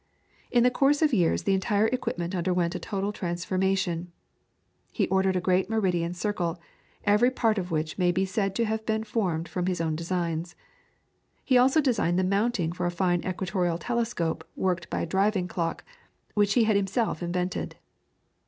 In the course of years the entire equipment underwent a total transformation. He ordered a great meridian circle, every part of which may be said to have been formed from his own designs. He also designed the mounting for a fine equatorial telescope worked by a driving clock, which he had himself invented.